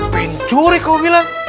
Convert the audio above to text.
pencuri kamu bilang